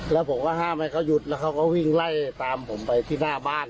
แล้วผมก็ห้ามให้เขาหยุดแล้วเขาก็วิ่งไล่ตามผมไปที่หน้าบ้าน